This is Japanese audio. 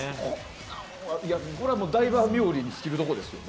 ダイバー冥利に尽きるところですよね。